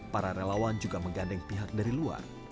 para relawan juga menggandeng pihak dari luar